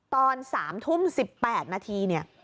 ตอน๓ทุ่ม๑๘นาที